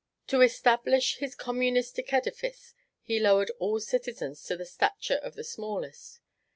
To establish his communistic edifice, he lowered all citizens to the stature of the smallest.